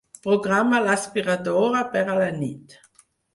Programa l'aspiradora per a la nit.